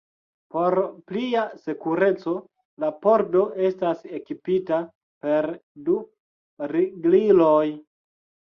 Por plia sekureco, la pordo estas ekipita per du rigliloj.